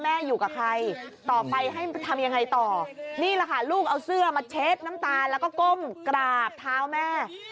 อยู่กับใครต่อไปให้ทำยังไงต่อนี่แหละค่ะลูกเอาเสื้อมาเช็ดน้ำตาแล้วก็ก้มกราบเท้าแม่